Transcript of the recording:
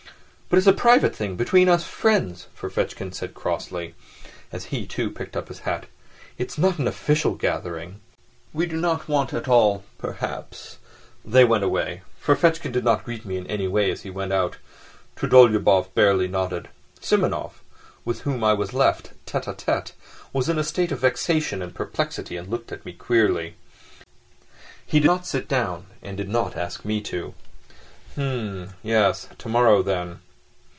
"But it's a private thing, between us friends," Ferfitchkin said crossly, as he, too, picked up his hat. "It's not an official gathering." "We do not want at all, perhaps ..." They went away. Ferfitchkin did not greet me in any way as he went out, Trudolyubov barely nodded. Simonov, with whom I was left tête à tête, was in a state of vexation and perplexity, and looked at me queerly. He did not sit down and did not ask me to. "H'm ... yes ... tomorrow, then.